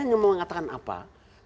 supaya ini menjadi hal yang baik